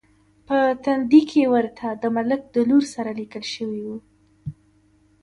په تندي کې ورته د ملک د لور سره لیکل شوي و.